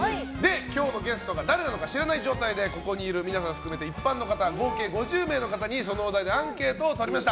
今日のゲストが誰なのか知らない状態でここにいる皆さん含めて一般の方合計５０名の方にそのお題でアンケートをとりました。